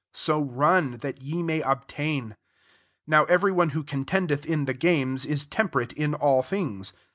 So run, that ye may obtain. 25 Now every one who contendeth in the gamea^ is temperate in all things.